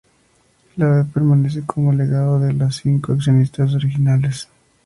La "V" permanece como legado de los cinco accionistas originales.